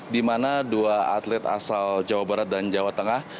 di mana dua atlet asal jawa barat dan jawa tengah